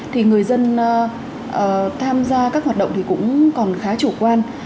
thì người dân tham gia các hoạt động thì cũng còn khá chủ quan